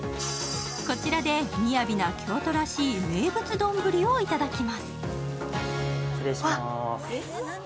こちらで雅な京都らしい名物丼をいただきます。